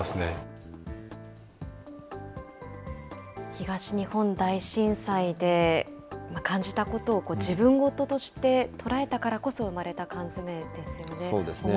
東日本大震災で感じたことを自分事として捉えたからこそ生まそうですね。